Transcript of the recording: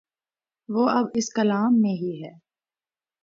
وہ اب اس کلام میں ہی ہے۔